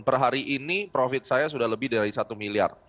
perhari ini profit saya sudah lebih dari satu miliar